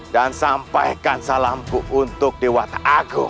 dan sampaikan salamku untuk dewata agung